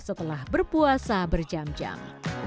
setelah berpuas kita bisa makan